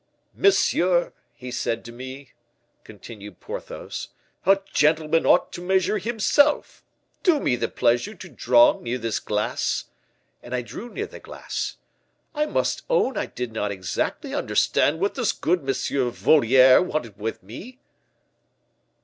"'Monsieur,' he said to me," continued Porthos, "'a gentleman ought to measure himself. Do me the pleasure to draw near this glass;' and I drew near the glass. I must own I did not exactly understand what this good M. Voliere wanted with me."